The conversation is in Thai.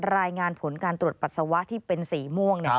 รายงานผลการตรวจปัสสาวะที่เป็นสีม่วง